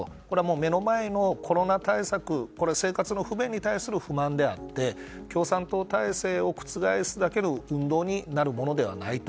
目の前のコロナ対策生活の不便に対する不満であって共産党体制を覆すだけの運動になるものではないと。